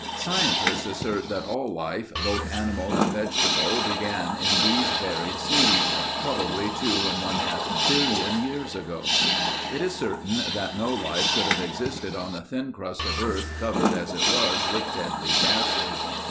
Scientists assert that all life—both animal and vegetable began in these buried seas—probably two and one half billion years ago. It is certain that no life could have existed on the thin crust of earth covered as it was with deadly gases.